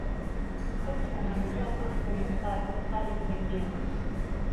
Дхәыцуан, деиҭахәыцуан Оҭар Оҭар-иԥагьы.